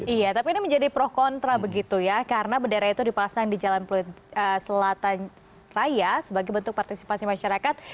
iya tapi ini menjadi pro kontra begitu ya karena bendera itu dipasang di jalan selatan raya sebagai bentuk partisipasi masyarakat